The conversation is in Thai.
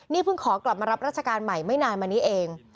นี่เพิ่งขอกลับมารับราชการใหม่ไม่นานมานี้เอง